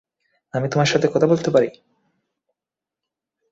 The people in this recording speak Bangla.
আমি তোমার সাথে কথা বলতে পারি?